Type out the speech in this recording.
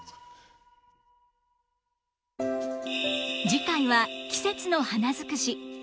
次回は季節の花尽くし。